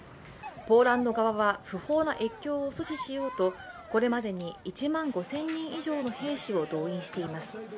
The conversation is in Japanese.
ポーランド側は不法な越境を阻止しようとこれまでに１万５０００人以上の兵士を動員しています。